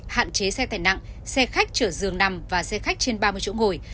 hạn chế xe tải nặng xe khách chở giường nằm và xe khách trên ba mươi chỗ ngồi